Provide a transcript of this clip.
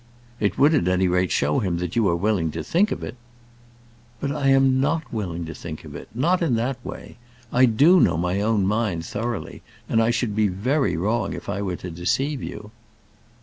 "It would at any rate show him that you are willing to think of it." "But I am not willing to think of it; not in that way. I do know my own mind thoroughly, and I should be very wrong if I were to deceive you."